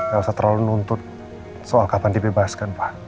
elsa terlalu nuntut soal kapan dibebaskan pak